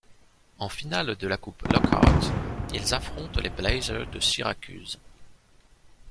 En finale de la Coupe Lockhart, ils affrontent les Blazers de Syracuse.